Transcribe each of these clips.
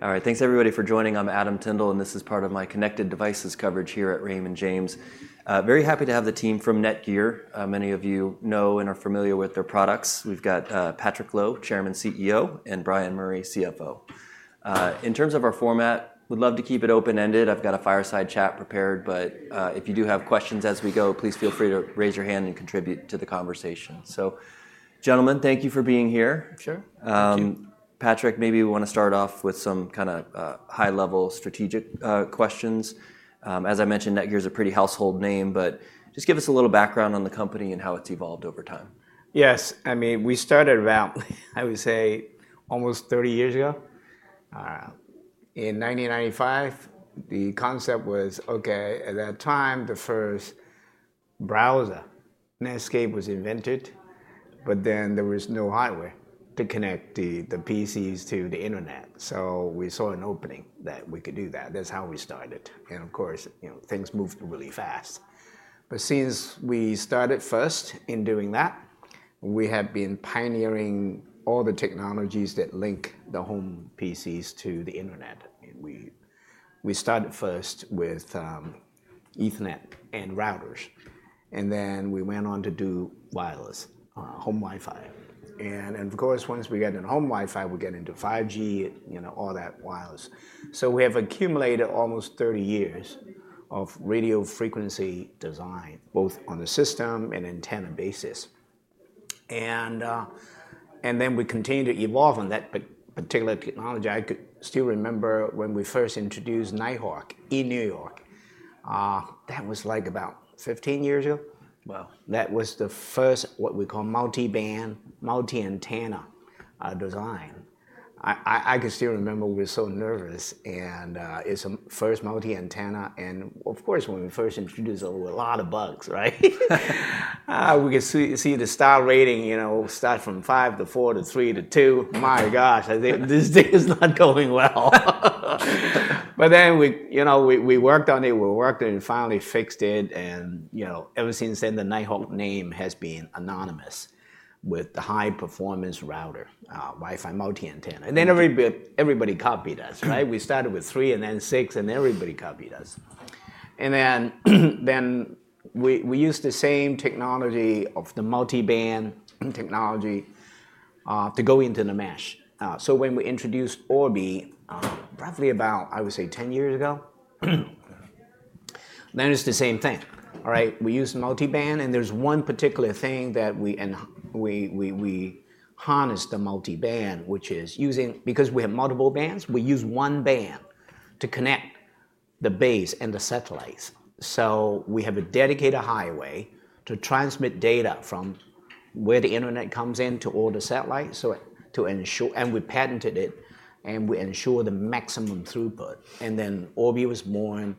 All right, thanks everybody for joining. I'm Adam Tindle, and this is part of my connected devices coverage here at Raymond James. Very happy to have the team from NETGEAR. Many of you know and are familiar with their products. We've got Patrick Lo, Chairman, CEO, and Bryan Murray, CFO. In terms of our format, we'd love to keep it open-ended. I've got a fireside chat prepared, but if you do have questions as we go, please feel free to raise your hand and contribute to the conversation. Gentlemen, thank you for being here. Sure. Patrick, maybe we want to start off with some high-level strategic questions. As I mentioned, NETGEAR's a pretty household name, but just give us a little background on the company and how it's evolved over time. Yes. We started around, I would say, almost 30 years ago. In 1995, the concept was okay, at that time, the first browser, Netscape, was invented, but then there was no highway to connect the PCs to the internet. We saw an opening that we could do that. That's how we started, and of course, things moved really fast. Snce we started first in doing that, we have been pioneering all the technologies that link the home PCs to the internet. We started first with Ethernet and routers, and then we went on to do wireless, home Wi-Fi. Of course, once we got into home Wi-Fi, we got into 5G, all that wireless. We have accumulated almost 30 years of radio frequency design, both on the system and antenna basis. We continued to evolve on that particular technology. I could still remember when we first introduced Nighthawk in New York. That was, like, about 15 years ago? That was the first, what we call, multi-band, multi-antenna design. I can still remember we were so nervous, and it's the first multi-antenna and of course, when we first introduced it, a lot of bugs. We could see the star rating, start from 5 to 4 to 3 to 2. My God, I think this thing is not going well. We worked on it. We worked and finally fixed it, and ever since then, the Nighthawk name has been synonymous with the high-performance router, Wi-Fi multi-antenna and then everybody copied us. We started with 3 and then 6, and everybody copied us. We used the same technology of the multi-band technology to go into the mesh. When we introduced Orbi, roughly about, I would say, 10 years ago, then it's the same thing. We used multi-band, and there's one particular thing that we harnessed the multi-band, which is because we have multiple bands, we use one band to connect the base and the satellites. We have a dedicated highway to transmit data from where the internet comes in to all the satellites, so to ensure, and we patented it, and we ensure the maximum throughput. Orbi was born,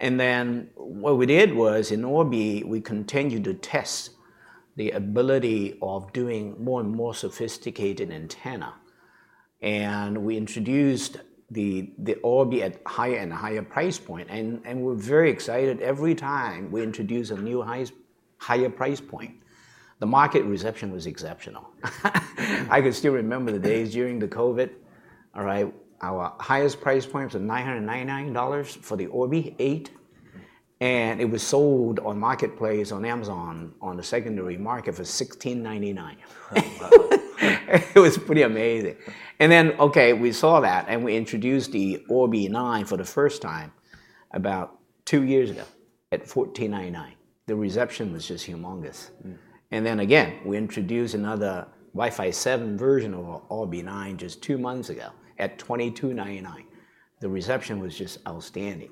and then what we did was, in Orbi, we continued to test the ability of doing more and more sophisticated antenna, and we introduced the Orbi at higher and higher price point. We're very excited every time we introduce a new higher price point. The market reception was exceptional. I can still remember the days during the COVID, all right, our highest price point was $999 for the Orbi 8, and it was sold on Marketplace on Amazon, on the secondary market for $1,699. It was pretty amazing. Okay, we saw that, and we introduced the Orbi 9 for the first time about 2 years ago at $1,499. The reception was just humongous. Again, we introduced another Wi-Fi 7 version of Orbi 9 just two months ago at $2,299. The reception was just outstanding.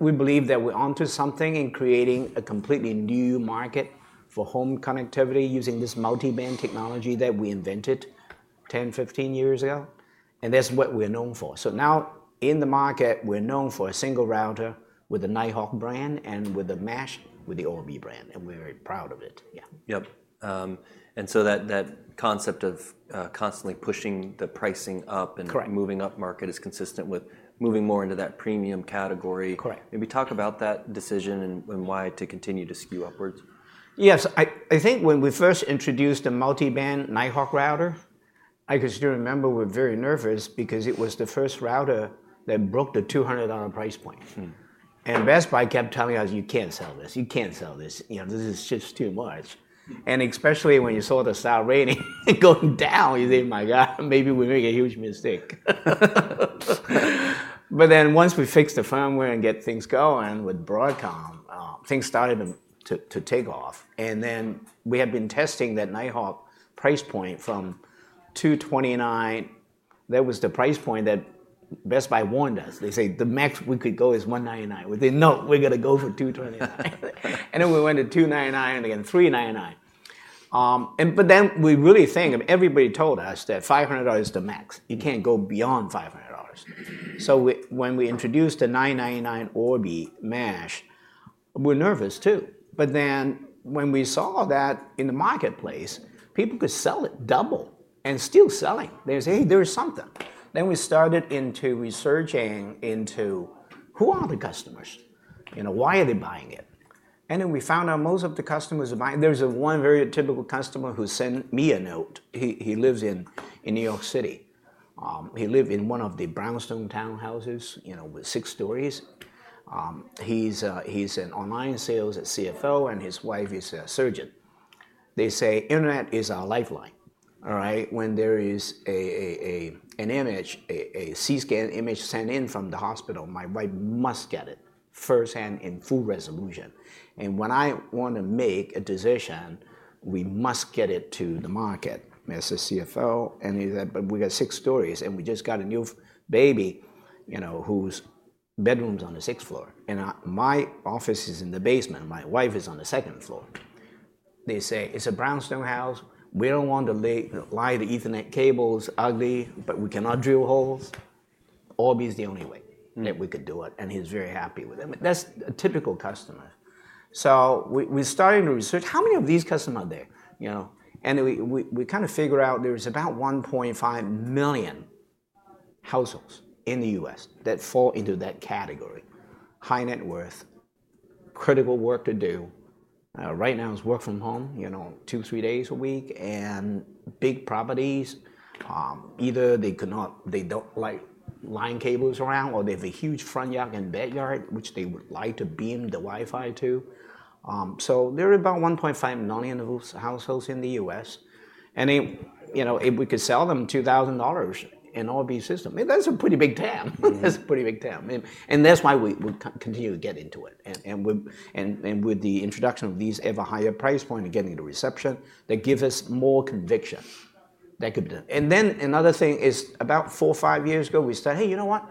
We believe that we're onto something in creating a completely new market for home connectivity using this multi-band technology that we invented 10, 15 years ago, and that's what we're known for. Now, in the market, we're known for a single router with the Nighthawk brand and with the mesh with the Orbi brand, and we're very proud of it. Yep. That concept of constantly pushing the pricing up and moving up market is consistent with moving more into that premium category. Correct. Maybe talk about that decision and why to continue to skew upwards. Yes. I think when we first introduced the multi-band Nighthawk router, I can still remember we were very nervous because it was the first router that broke the $200 price point. Best Buy kept telling us: "You can't sell this. You can't sell this. This is just too much. specially when you saw the star rating going down, you think, "My God, maybe we made a huge mistake." Once we fixed the firmware and get things going with Broadcom, things started to take off. We had been testing that Nighthawk price point from $229. That was the price point that Best Buy warned us. They say, "The max we could go is $199." We say: "No, we're going to go for $229." We went to $299 and again, $399. We really think, and everybody told us that $500 is the max. You can't go beyond $500. When we introduced the $999 Orbi mesh, we're nervous too. When we saw that in the marketplace, people could sell it double and still selling. There's hey, there is something. We started into researching into: Who are the customers? Why are they buying it? We found out most of the customers buy, there's one very typical customer who sent me a note. He lives in New York City. He live in one of the brownstone townhouses, with six stories. He's a, he's an online sales CFO, and his wife is a surgeon. They say, "Internet is our lifeline. All right, when there is an image, a CT scan image sent in from the hospital, my wife must get it firsthand in full resolution. When I want to make a decision, we must get it to the market as a CFO," and he said, "We got six stories, and we just got a new baby, whose bedroom's on the sixth floor, and my office is in the basement, and my wife is on the second floor." They say, "It's a brownstone house. We don't want to lay the Ethernet cables ugly, but we cannot drill holes. Orbi is the only way that we could do it," and he's very happy with it. That's a typical customer. We started to research, how many of these customers are there? We figure out there is about 1.5 million households in the U.S. that fall into that category. High net worth, critical work to do, right now it's work from home, two or three days a week, and big properties. Either they don't like line cables around, or they have a huge front yard and backyard, which they would like to beam the Wi-Fi to. There are about 1.5 million of those households in the U.S., and it, if we could sell them $2,000 in Orbi system, that's a pretty big tab. That's a pretty big tab, and that's why we continue to get into it, and with the introduction of these ever higher price point of getting into reception, that gives us more conviction they could do. Another thing is, about four or five years ago, we said, "Hey, you know what?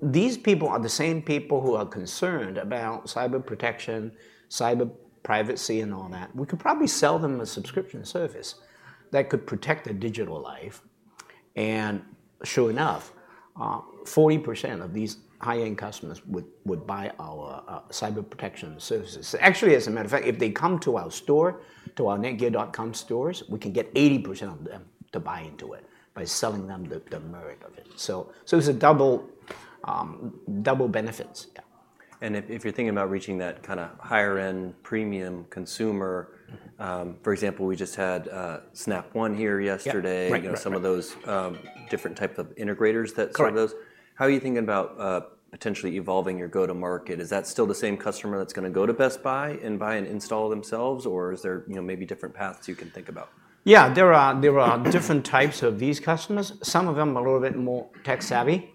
These people are the same people who are concerned about cyber protection, cyber privacy, and all that. We could probably sell them a subscription service that could protect their digital life." Sure enough, 40% of these high-end customers would, would buy our cyber protection services. Actually, as a matter of fact, if they come to our store, to our NETGEAR.com stores, we can get 80% of them to buy into it by selling them the merit of it. It's a double, double benefits. Yeah. If you're thinking about reaching that higher-end premium consumer, for example, we just had Snap One here yesterday. Some of those, different type of integrators that some of those. How are you thinking about, potentially evolving your go-to-market? Is that still the same customer that's going to go to Best Buy and buy and install themselves, or is there, maybe different paths you can think about? Yeah, there are different types of these customers. Some of them are a little bit more tech-savvy,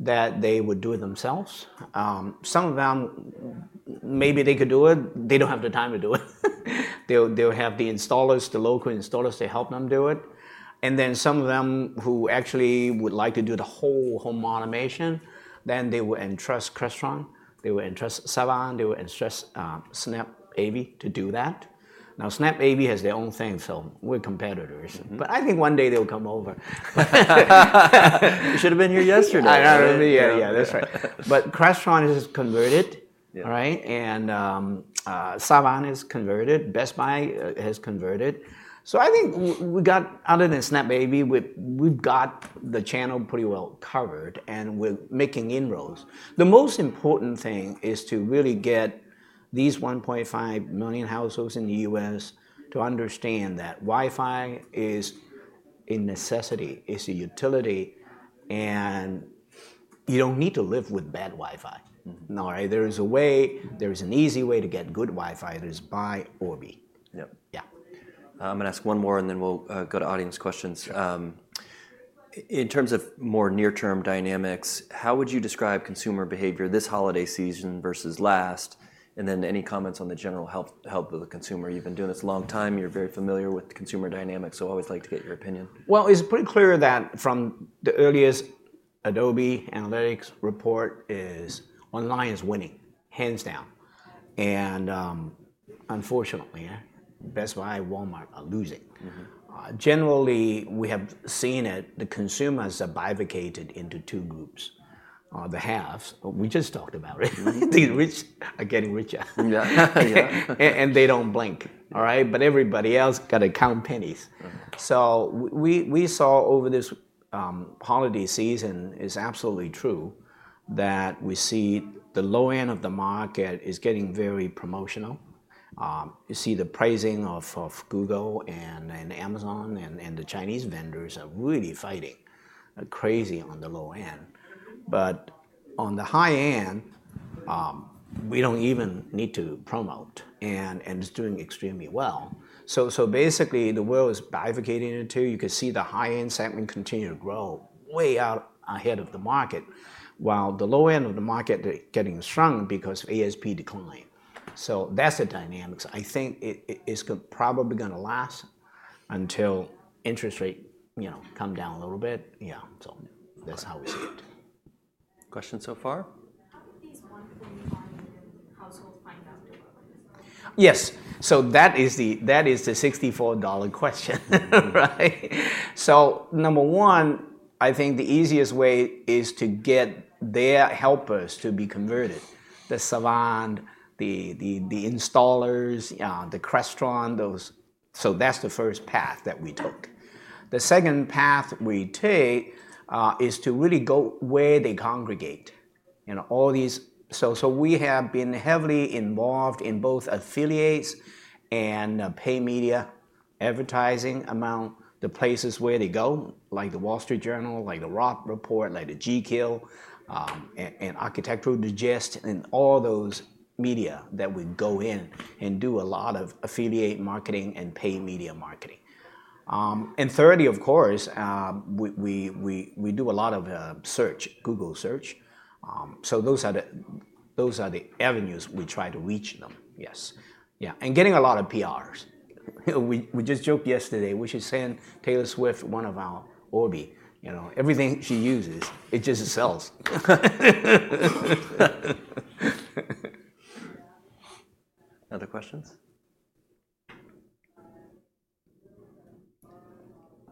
that they would do it themselves. Some of them, maybe they could do it, they don't have the time to do it. They'll have the installers, the local installers to help them do it. Some of them who actually would like to do the whole home automation, then they will entrust Crestron, they will entrust Savant, they will entrust SnapAV to do that. Now, SnapAV has their own thing, so we're competitors but I think one day they will come over. You should have been here yesterday. I know, yeah, that's right. Crestron is converted and, Savant is converted, Best Buy has converted. I think other than SnapAV, we've got the channel pretty well covered, and we're making inroads. The most important thing is to really get these 1.5 million households in the U.S. to understand that Wi-Fi is a necessity, it's a utility, and you don't need to live with bad Wi-Fi. There is a way, there is an easy way to get good Wi-Fi. It is buy Orbi. I'm going to ask one more, and then we'll go to audience questions. In terms of more near-term dynamics, how would you describe consumer behavior this holiday season versus last? Any comments on the general health of the consumer. You've been doing this a long time, you're very familiar with consumer dynamics, so I always like to get your opinion. It's pretty clear that from the earliest Adobe Analytics report is online is winning, hands down. Unfortunately, Best Buy and Walmart are losing. Generally, we have seen it, the consumers have bifurcated into two groups, or the halves. We just talked about it. The rich are getting richer and they don't blink, but everybody else got to count pennies. We saw over this holiday season, it's absolutely true that we see the low end of the market is getting very promotional. You see the pricing of Google and Amazon and the Chinese vendors are really fighting crazy on the low end. On the high end, we don't even need to promote, and it's doing extremely well. Basically, the world is bifurcating in two. You can see the high-end segment continue to grow way out ahead of the market, while the low end of the market, they're getting shrunk because of ASP decline. That's the dynamics. I think it's probably going to last until interest rate come down a little bit. Yeah, that's how we see it. Questions so far? [How did these 1.5 million households find out about Orbi?] Yes. That is the $64 question. Number one, I think the easiest way is to get their helpers to be converted. The Savant, the installers, the Crestron, those. That's the first path that we took. The second path we take is to really go where they congregate, and so we have been heavily involved in both affiliates and pay media advertising among the places where they go, like the Wall Street Journal, like the Robb Report, like the GQ, and Architectural Digest, and all those media that we go in and do a lot of affiliate marketing and pay media marketing. Thirdly, of course, we do a lot of search, Google search. Those are the avenues we try to reach them. Yes. Yeah, and getting a lot of PRs. We just joked yesterday, we should send Taylor Swift one of our Orbi. Everything she uses, it just sells. Other questions?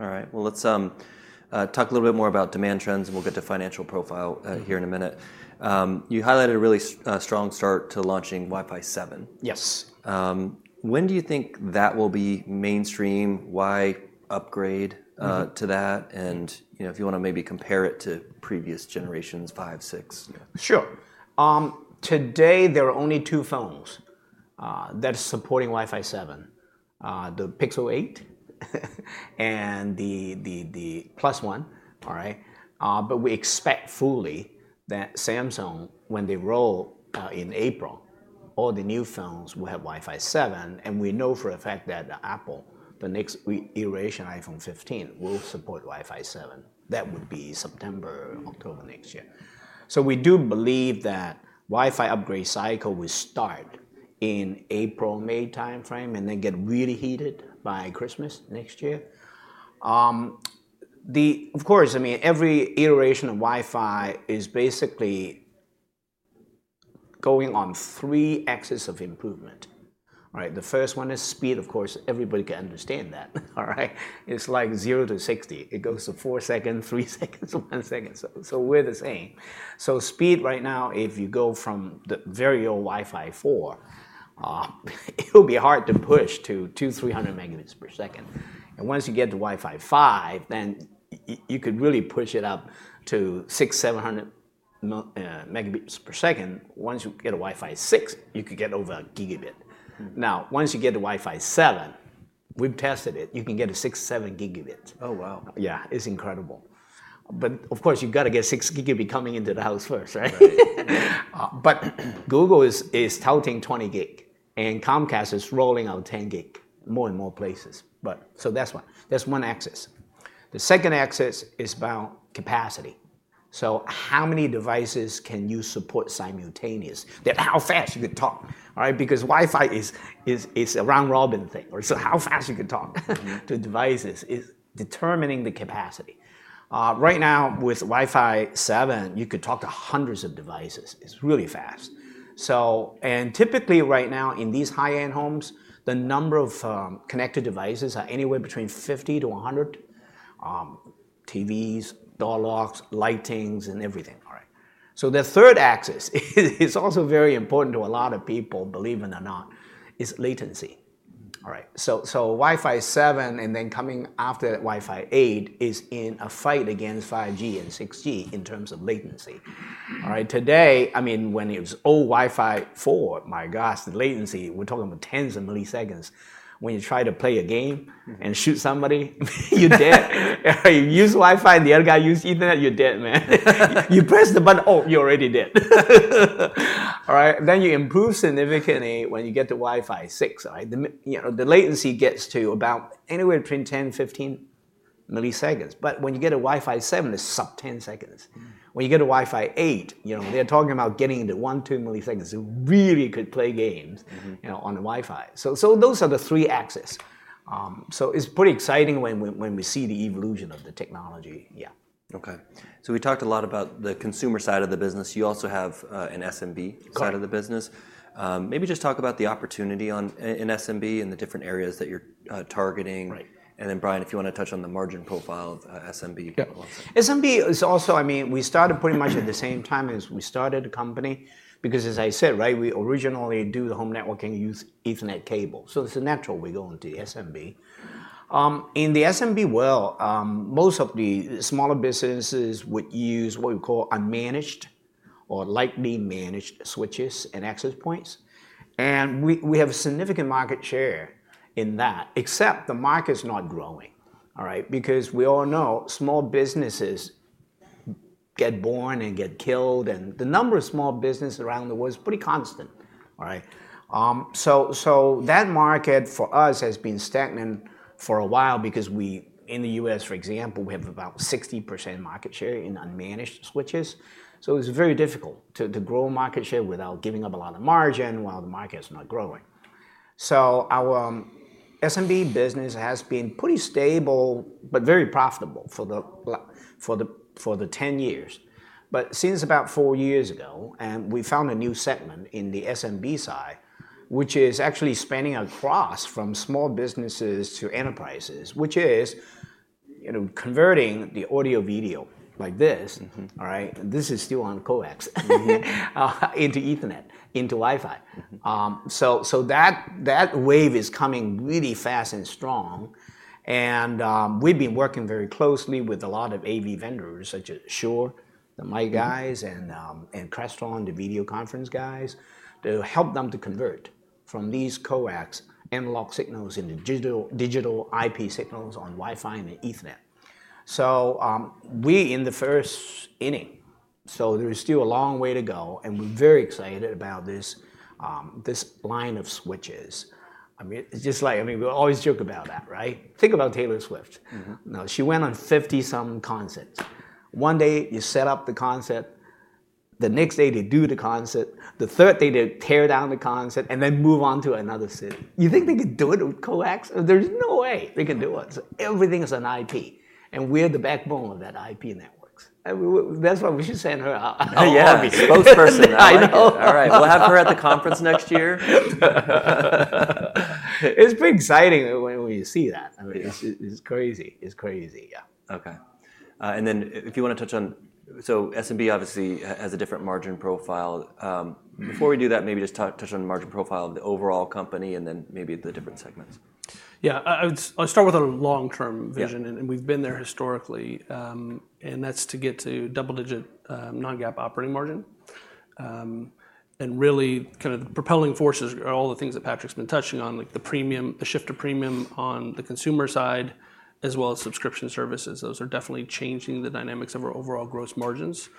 All right, let's talk a little bit more about demand trends, and we'll get to financial profile here in a minute. You highlighted a really strong start to launching Wi-Fi 7. When do you think that will be mainstream? Why upgrade to that? If you want to maybe compare it to previous generations, 5, 6. Yeah. Sure. Today there are only two phones that are supporting Wi-Fi 7, the Pixel 8 and the OnePlus but we expect fully that Samsung, when they roll in April, all the new phones will have Wi-Fi 7, and we know for a fact that Apple, the next iteration, iPhone 15, will support Wi-Fi 7. That would be September, October next year. We do believe that Wi-Fi upgrade cycle will start in April, May timeframe, and then get really heated by Christmas next year. Of course, every iteration of Wi-Fi is basically going on three axes of improvement. All right, the first one is speed. Of course, everybody can understand that. It's like zero to sixty. It goes to 4 seconds, 3 seconds, 1 second. We're the same. Speed right now, if you go from the very old Wi-Fi 4, it'll be hard to push to 200Mbps, 300 Mbps. Once you get to Wi-Fi 5, then you could really push it up to 600Mbps, 700 Mbps. Once you get a Wi-Fi 6, you could get over 1 Gbps. Now, once you get to Wi-Fi 7, we've tested it, you can get a 6 Gb 7 Gb. Wow! Yeah, it's incredible. Of course, you've got to get 6 Gb coming into the house first. Google is touting 20 Gb, and Comcast is rolling out 10 Gb, more and more places. That's one axis. The second axis is about capacity. How many devices can you support simultaneous? That how fast you can talk, because Wi-Fi is a round robin thing, so how fast you can talk, the devices is determining the capacity. Right now, with Wi-Fi 7, you could talk to hundreds of devices. It's really fast. Typically right now, in these high-end homes, the number of connected devices are anywhere between 50-100 TVs, door locks, lightings and everything. The third axis is also very important to a lot of people, believe it or not, is latency. All right. Wi-Fi 7, and then coming after that, Wi-Fi 8, is in a fight against 5G and 6G in terms of latency. All right, today, when it was old Wi-Fi 4, my God, the latency, we're talking about tens of milliseconds. When you try to play a game and shoot somebody, you're dead. If you use Wi-Fi and the other guy use Ethernet, you're dead, man. You press the button, oh, you're already dead. All right, then you improve significantly when you get to Wi-Fi 6. The latency gets to about anywhere between 10, 15 milliseconds, but when you get a Wi-Fi 7, it's sub-10 seconds. When you get a Wi-Fi 8, they're talking about getting into 1-2 milliseconds. You really could play games on the Wi-Fi. Those are the three axes. It's pretty exciting when we see the evolution of the technology. Yeah. Okay. We talked a lot about the consumer side of the business. You also have an SMB side of the business. Maybe just talk about the opportunity on, in SMB and the different areas that you're targeting. Bryan, if you want to touch on the margin profile of SMB. Yeah. SMB is also, we started pretty much at the same time as we started the company because, as I said, right, we originally do the home networking use Ethernet cable, so it's natural we go into SMB. In the SMB world, most of the smaller businesses would use what we call unmanaged or lightly managed switches and access points, and we have a significant market share in that, except the market is not growing. We all know small businesses get born and get killed, and the numbers of small businesses around the world is pretty constant. That market for us has been stagnant for a while because we, in the U.S., for example, we have about 60% market share in unmanaged switches. It's very difficult to grow market share without giving up a lot of margin while the market is not growing. Our SMB business has been pretty stable but very profitable for the ten years but since about four years ago, and we found a new segment in the SMB side, which is actually spanning across from small businesses to enterprises, which is, converting the audio/video like this. This is still on coax Into Ethernet, into Wi-Fi. That wave is coming really fast and strong, and we've been working very closely with a lot of AV vendors, such as Shure, the mic guys and Crestron, the video conference guys, to help them to convert from these coax analog signals into digital IP signals on Wi-Fi and Ethernet. We in the first inning, so there is still a long way to go, and we're very excited about this line of switches. It's just like we always joke about that, right? Think about Taylor Swift. Now, she went on 50-some concerts. One day, you set up the concert, the next day, they do the concert, the third day, they tear down the concert and then move on to another city. You think they could do it with coax? There's no way they can do it. Everything is on IP, and we're the backbone of that IP networks. That's why we should send her to be spokesperson. We'll have her at the conference next year. It's pretty exciting when you see that. It's crazy. It's crazy, yeah. Okay. SMB obviously has a different margin profile. Before we do that, maybe just touch on the margin profile of the overall company, and then maybe the different segments. Yeah, I'll start with our long-term vision and we've been there historically and that's to get to double-digit non-GAAP operating margin. Really, the propelling forces are all the things that Patrick's been touching on, the premium, the shift to premium on the consumer side, as well as subscription services. Those are definitely changing the dynamics of our overall gross margins.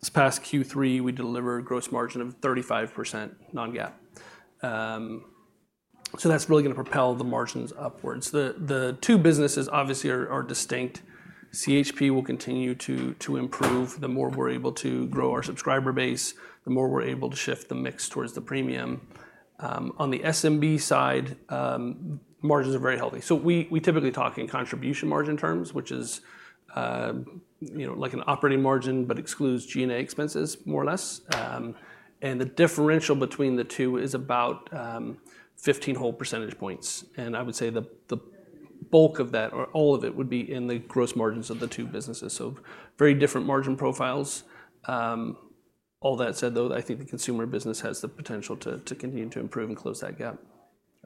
This past Q3, we delivered gross margin of 35% non-GAAP. That's really going to propel the margins upwards. The two businesses, obviously, are distinct. CHP will continue to improve. The more we're able to grow our subscriber base, the more we're able to shift the mix towards the premium. On the SMB side, margins are very healthy. We typically talk in contribution margin terms, which is an operating margin, but excludes G&A expenses, more or less. The differential between the two is about 15 whole percentage points, and I would say the bulk of that or all of it would be in the gross margins of the two businesses. Very different margin profiles. All that said, though, I think the consumer business has the potential to continue to improve and close that gap.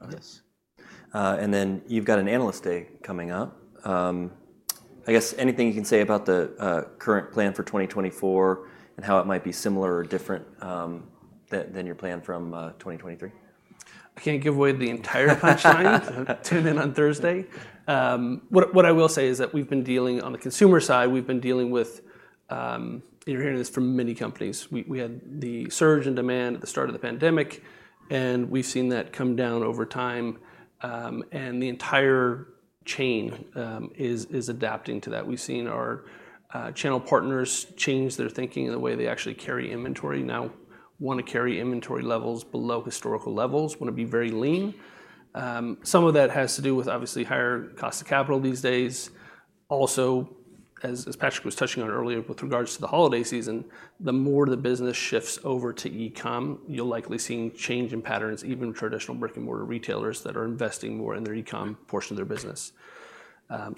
Got it. You've got an Analyst Day coming up, anything you can say about the current plan for 2024 and how it might be similar or different than your plan from 2023? I can't give away the entire punchline. Tune in on Thursday. What I will say is that we've been dealing on the consumer side with. You're hearing this from many companies. We had the surge in demand at the start of the pandemic, and we've seen that come down over time. The entire chain is adapting to that. We've seen our channel partners change their thinking in the way they actually carry inventory. Now, want to carry inventory levels below historical levels, want to be very lean. Some of that has to do with, obviously, higher cost of capital these days. Also, as Patrick was touching on earlier with regards to the holiday season, the more the business shifts over to E-com, you'll likely see change in patterns, even traditional brick-and-mortar retailers that are investing more in their E-com portion of their business.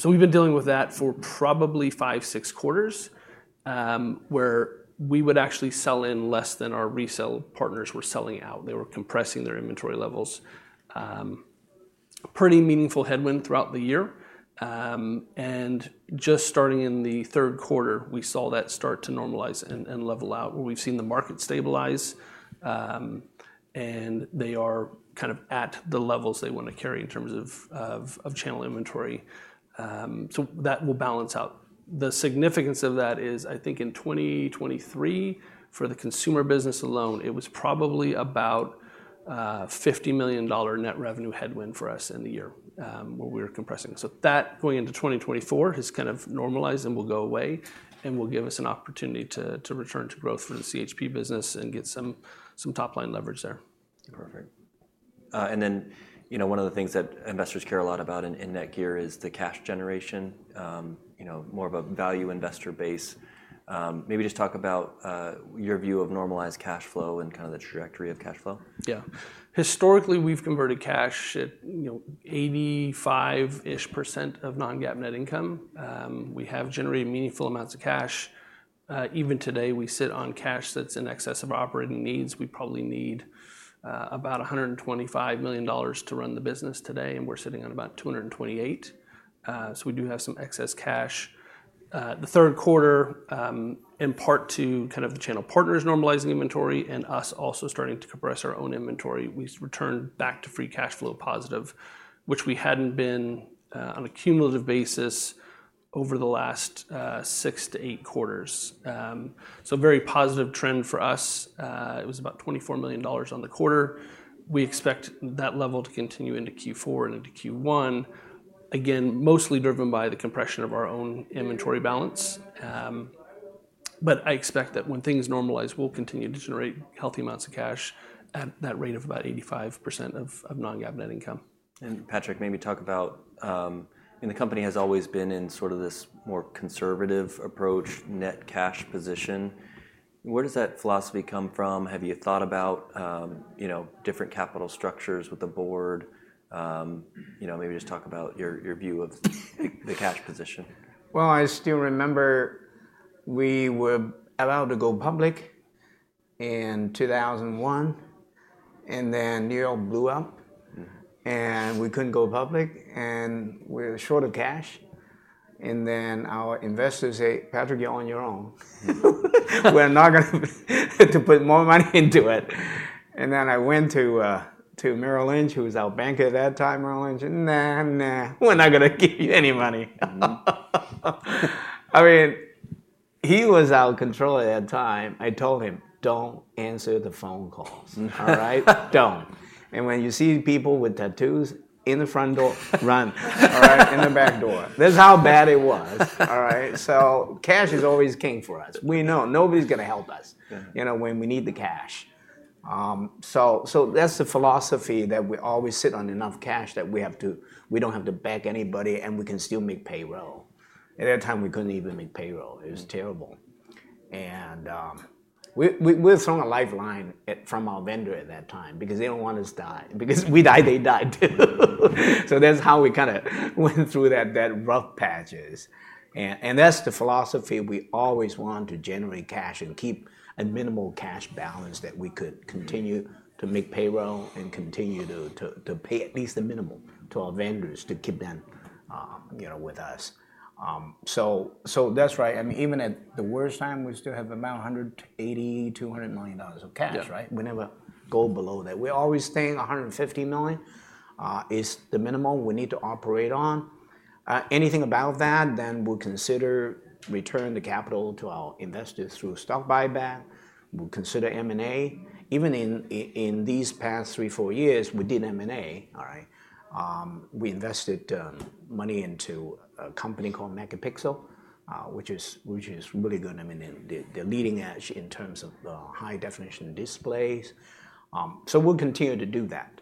We've been dealing with that for probably 5, 6 quarters, where we would actually sell in less than our resale partners were selling out. They were compressing their inventory levels. Pretty meaningful headwind throughout the year. Just starting in the third quarter, we saw that start to normalize and level out, where we've seen the market stabilize. They are at the levels they want to carry in terms of channel inventory. That will balance out. The significance of that is, I think, in 2023, for the consumer business alone, it was probably about $50 million net revenue headwind for us in the year, where we were compressing. That, going into 2024, has normalized and will go away, and will give us an opportunity to return to growth for the CHP business and get some, some top-line leverage there. Perfect. One of the things that investors care a lot about in NETGEAR is the cash generation. More of a value investor base. Maybe just talk about your view of normalized cash flow and the trajectory of cash flow. Yeah. Historically, we've converted cash at, 85%-ish of non-GAAP net income. We have generated meaningful amounts of cash. Even today, we sit on cash that's in excess of operating needs. We probably need about $125 million to run the business today, and we're sitting on about $228 million. We do have some excess cash. The third quarter, in part to the channel partners normalizing inventory and us also starting to compress our own inventory, we've returned back to free cash flow positive, which we hadn't been on a cumulative basis over the last 6-8 quarters. Very positive trend for us. It was about $24 million on the quarter. We expect that level to continue into Q4 and into Q1, again, mostly driven by the compression of our own inventory balance. I expect that when things normalize, we'll continue to generate healthy amounts of cash at that rate of about 85% of, of non-GAAP net income. Patrick, maybe talk about the company has always been in sort of this more conservative approach, net cash position. Where does that philosophy come from? Have you thought about, different capital structures with the board? Maybe just talk about your view of the cash position. I still remember we were allowed to go public in 2001, and then New York blew up and we couldn't go public, and we're short of cash and then our investors say, "Patrick, you're on your own." "We're not going to to put more money into it." I went to Merrill Lynch, who was our banker at that time, Merrill Lynch. "Nah, nah, we're not going to give you any money." He was out of control at that time. I told him, "Don't answer the phone calls." "All right? Don't. When you see people with tattoos in the front door, run, in the back door." This is how bad it was. Cash is always king for us. We know nobody's going to help us when we need the cash. That's the philosophy, that we always sit on enough cash that, we don't have to beg anybody, and we can still make payroll. At that time, we couldn't even make payroll. It was terrible. We were thrown a lifeline from our vendor at that time because they don't want us die because we die, they die, too. That's how we went through that rough patches. That's the philosophy. We always want to generate cash and keep a minimal cash balance that we could continue to make payroll and continue to pay at least the minimum to our vendors to keep them with us. That's right. Even at the worst time, we still have about $180 million-$200 million of cash, we never go below that. We're always staying $150 million is the minimum we need to operate on. Anything above that, then we'll consider returning the capital to our investors through stock buyback. We'll consider M&A. Even in these past three, four years, we did M&A. We invested money into a company called Megapixel, which is really good. They're leading edge in terms of the high-definition displays. We'll continue to do that.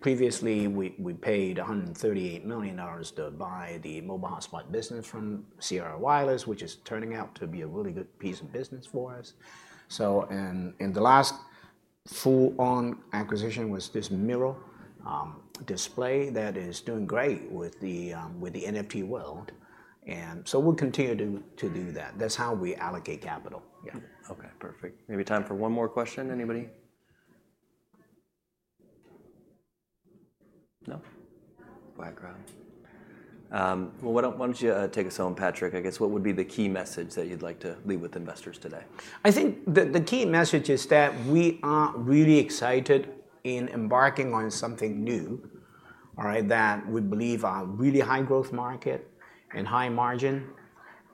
Previously, we paid $138 million to buy the mobile hotspot business from Sierra Wireless, which is turning out to be a really good piece of business for us. The last full-on acquisition was this Meural display that is doing great with the NFT world, and so we'll continue to do that. That's how we allocate capital. Okay, perfect. Maybe time for one more question. Anybody? No? Quiet crowd. Why don't you take us home, Patrick? What would be the key message that you'd like to leave with investors today? I think the key message is that we are really excited in embarking on something new, that we believe a really high growth market and high margin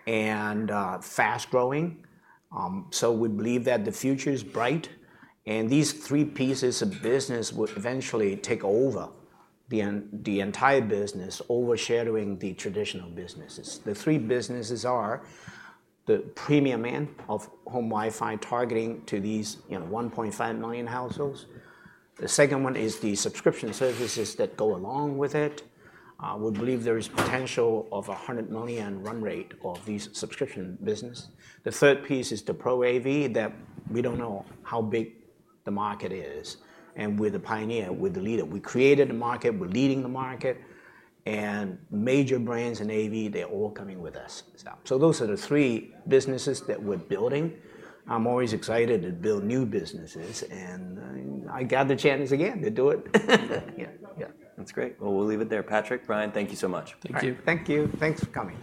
and fast-growing. We believe that the future is bright, and these three pieces of business will eventually take over the entire business, overshadowing the traditional businesses. The three businesses are the premium end of home Wi-Fi, targeting to these 1.5 million households. The second one is the subscription services that go along with it. We believe there is potential of a $100 million run rate of these subscription business. The third piece is the Pro AV, that we don't know how big the market is, and we're the pioneer, we're the leader. We created the market, we're leading the market, and major brands in AV, they're all coming with us. Those are the three businesses that we're building. I'm always excited to build new businesses, and I got the chance again to do it. Yeah, that's great. We'll leave it there. Patrick, Bryan, thank you so much. Thank you. Thank you. Thanks for coming.